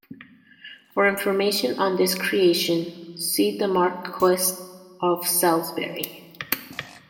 For information on this creation, see the Marquess of Salisbury.